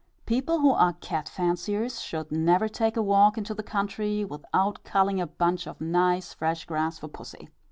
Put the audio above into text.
People who are cat fanciers, should never take a walk into the country, without culling a bunch of nice fresh grass for pussy.